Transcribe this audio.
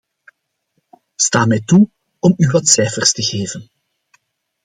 Sta mij toe om u wat cijfers te geven.